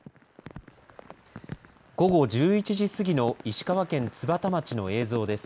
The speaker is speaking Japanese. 午後１１時過ぎの石川県津幡町の映像です。